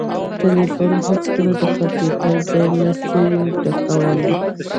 ټلیفون هیڅکله د کمپیوټر ځای نسي ډکولای